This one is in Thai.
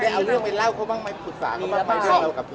เอาเรื่องไปเล่าเขาบ้างไหมปรึกษาเขาบ้างไหมเรื่องเรากับเขา